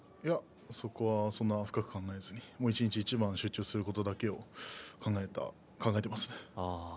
そこはあまり深く考えずに一日一番集中することを考えています。